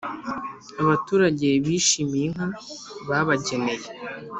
abaturage bishimiye inka babageneye